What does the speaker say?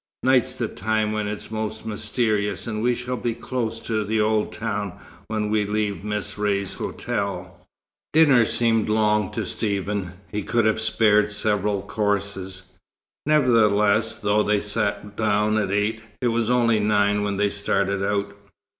"Night's the time when it's most mysterious, and we shall be close to the old town when we leave Miss Ray's hotel." Dinner seemed long to Stephen. He could have spared several courses. Nevertheless, though they sat down at eight, it was only nine when they started out.